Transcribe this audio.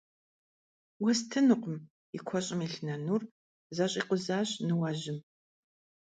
Уэстынукъым! – и куэщӀым илъ нынур зэщӀикъузащ ныуэжьым.